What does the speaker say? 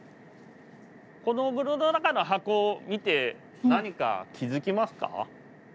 この室の中の箱を見て何か気付きますか？